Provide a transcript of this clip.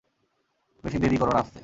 বেশি দেরি করো না আসতে!